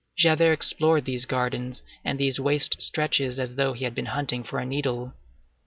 Javert explored these gardens and these waste stretches as though he had been hunting for a needle.